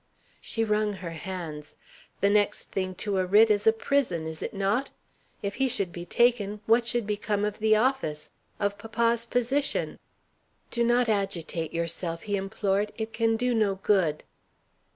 She wrung her hands. "The next thing to a writ is a prison, is it not? If he should be taken, what would become of the office of papa's position?" "Do not agitate yourself," he implored. "It can do no good."